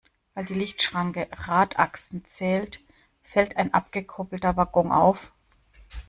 Weil die Lichtschranke Radachsen zählt, fällt ein abgekoppelter Waggon auf.